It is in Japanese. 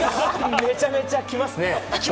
めちゃめちゃ来ますね。